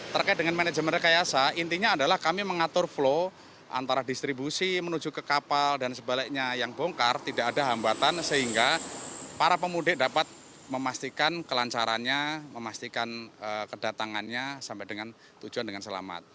terkait dengan manajemen rekayasa intinya adalah kami mengatur flow antara distribusi menuju ke kapal dan sebaliknya yang bongkar tidak ada hambatan sehingga para pemudik dapat memastikan kelancarannya memastikan kedatangannya sampai dengan tujuan dengan selamat